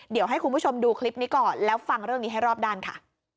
เดี๋ยวให้คุณผู้ชมดูคลิปนี้ก่อนแล้วฟังเรื่องนี้ให้รอบด้านค่ะ